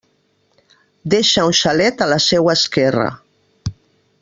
Deixa un xalet a la seua esquerra.